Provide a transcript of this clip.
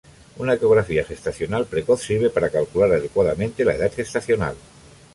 Una ecografía gestacional precoz sirve para calcular adecuadamente la edad gestacional.